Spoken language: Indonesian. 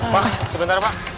pak sebentar pak